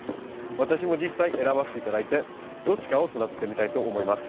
私も実際選ばせて頂いてどっちかを育ててみたいと思います。